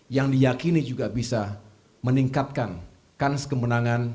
yang diyakini juga bisa meningkatkan kans kemenangan